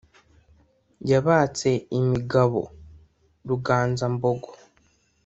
yabatse imigabo. ruganzambogo